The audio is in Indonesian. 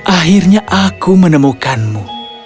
akhirnya aku menemukanmu